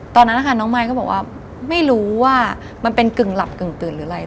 ตอนนั้นนะคะน้องมายก็บอกว่าไม่รู้ว่ามันเป็นกึ่งหลับกึ่งตื่นหรืออะไร